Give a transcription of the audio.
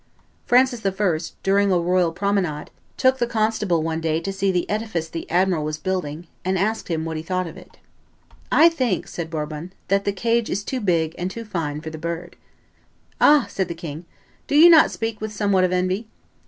Francis I., during a royal promenade, took the constable one day to see the edifice the admiral was building, and asked him what he thought of it. "I think," said Bourbon, "that the cage is too big and too fine for the bird." "Ah!" said the king, "do you not speak with somewhat of envy?"